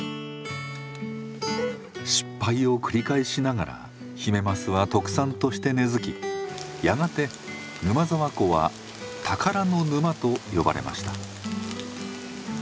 失敗を繰り返しながらヒメマスは特産として根づきやがて沼沢湖は「宝の沼」と呼ばれました。